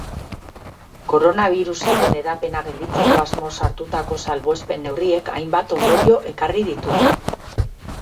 Koronabirusaren hedapena gelditzeko asmoz hartutako salbuespen-neurriek hainbat ondorio ekarri ditu.